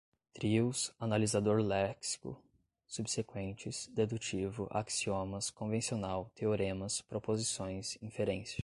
trios, analisador léxico, subsequentes, dedutivo, axiomas, convencional, teoremas, proposições, inferência